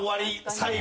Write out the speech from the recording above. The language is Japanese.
最後。